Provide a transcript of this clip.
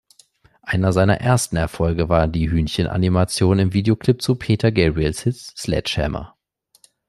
Einer seiner ersten Erfolge war die Hühnchen-Animation im Videoclip zu Peter Gabriels Hit "Sledgehammer".